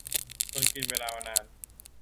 จนกินเวลานาน